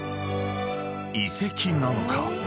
［遺跡なのか？］